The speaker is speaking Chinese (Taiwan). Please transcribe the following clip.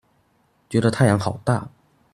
覺得太陽好大